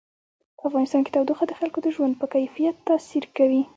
په افغانستان کې تودوخه د خلکو د ژوند په کیفیت تاثیر کوي.